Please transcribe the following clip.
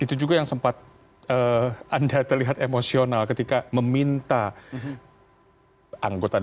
itu juga yang sempat anda terlihat emosional ketika meminta anggota dewan pejabat anggota kota